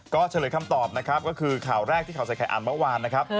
ก็เฉลยคำตอบนะครับก็คือข่าวแรกที่ข่าวใส่ไข่อ่านเมื่อวานนะครับ